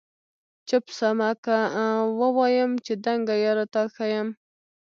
چپ سمه که ووایم چي دنګه یاره تا ښایم؟